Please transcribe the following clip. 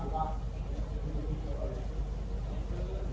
สวัสดีครับทุกคน